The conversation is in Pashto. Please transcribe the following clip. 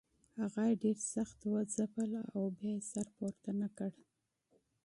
هغه یې ډېر سخت وځپل او بیا یې سر پورته نه کړ.